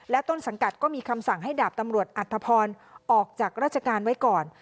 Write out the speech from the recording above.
ต้นสังกัดก็มีคำสั่งให้ดาบตำรวจอัธพรออกจากราชการไว้ก่อน